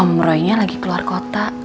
om roy nya lagi keluar kota